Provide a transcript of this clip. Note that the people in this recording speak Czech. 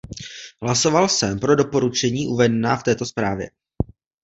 Hlasoval jsem pro doporučení uvedená v této zprávě.